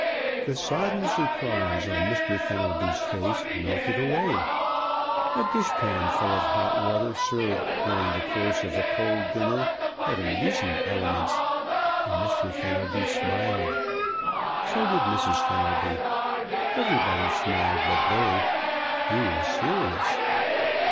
The sodden surprise on Mr. Fenelby's face melted away. A dish pan full of hot water served during the course of a cold dinner had amusing elements, and Mr. Fenelby smiled. So did Mrs. Fenelby. Everybody smiled but Billy. He was serious.